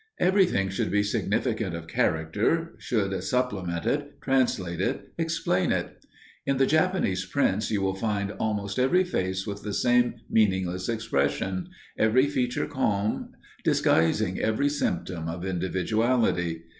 Everything should be significant of character, should supplement it, translate it, explain it. In the Japanese prints you will find almost every face with the same meaningless expression, every feature calm, disguising every symptom of individuality.